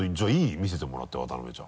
見せてもらって渡邊ちゃん。